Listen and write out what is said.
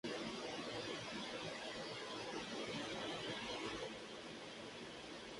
Es el "viaje" de la ecología.